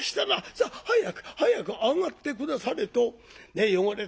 さっ早く早く上がって下され」と汚れた